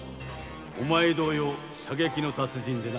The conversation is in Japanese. お前同様射撃の達人でな